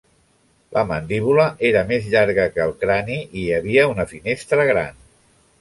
La mandíbula era més llarga que el crani, i hi havia una finestra gran.